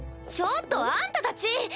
ちょっとあんたたち！